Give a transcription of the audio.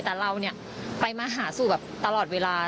แต่เราไปมาหาสู่ตลอดเวลา